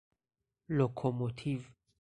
لوکو موتیو